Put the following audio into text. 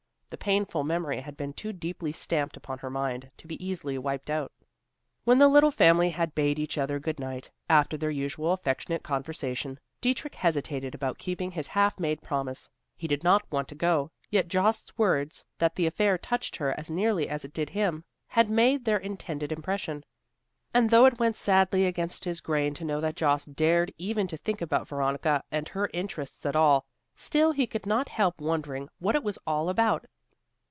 The painful memory had been too deeply stamped upon her mind, to be easily wiped out. When the little family had bade each other good night, after their usual affectionate conversation, Dietrich hesitated about keeping his half made promise. He did not want to go; yet Jost's words, that the affair touched her as nearly as it did him, had made their intended impression, and though it went sadly against his grain to know that Jost dared even to think about Veronica and her interests at all, still he could not help wondering what it was all about.